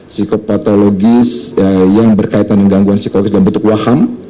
psikopatologis yang berkaitan dengan gangguan psikologis dan betuk waham